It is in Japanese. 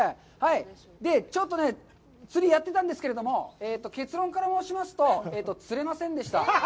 ちょっとね、釣りをやってたんですけども、結論から申しますと、釣れませんでした。